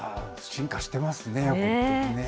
進化してますね。